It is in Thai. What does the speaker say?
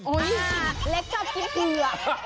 อ่าเล็กชอบกินเผื่อ